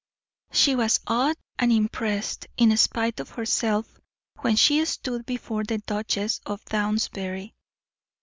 She was awed and impressed, in spite of herself, when she stood before the Duchess of Downsbury.